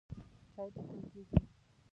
چای څښل کېږي.